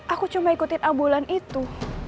aku cuma ikutin ambulan itu